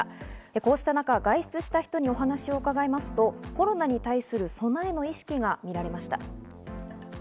こうした中、外出した人に話を聞きますとコロナに対する備えの意識が見られました。